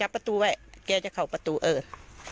พื้นแล้วออกมาหลังนอก